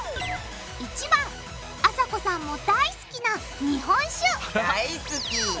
１番あさこさんも大好きな日本酒大好き！